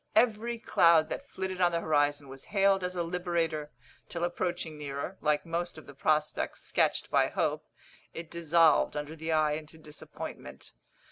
Every cloud that flitted on the horizon was hailed as a liberator, till approaching nearer, like most of the prospects sketched by hope, it dissolved under the eye into disappointment.